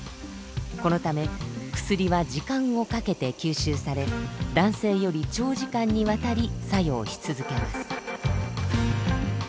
このため薬は時間をかけて吸収され男性より長時間にわたり作用し続けます。